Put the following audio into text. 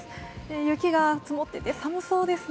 雪が積もっていて寒そうですね。